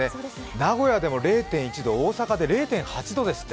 名古屋でも０．１度大阪で０．８度ですって。